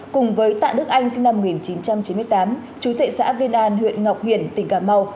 cùng với tạ đức anh sinh năm một nghìn chín trăm chín mươi tám chú tệ xã viên an huyện ngọc hiển tỉnh cà mau